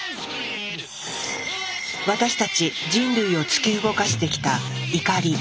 私たち人類を突き動かしてきた「怒り」。